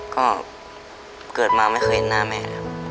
ก็เกิดมาไม่เคยเห็นหน้าแม่ครับ